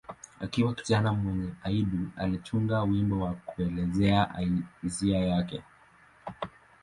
Akiwa kijana mwenye aibu, alitunga wimbo wa kuelezea hisia zake.